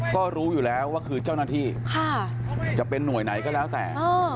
ก็รู้อยู่แล้วว่าคือเจ้าหน้าที่จะเป็นหน่วยไหนก็แล้วแต่